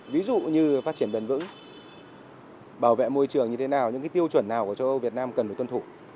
ví dụ như phát triển đần vững bảo vệ môi trường như thế nào những cái tiêu chuẩn nào của châu âu việt nam cần được tuân thủ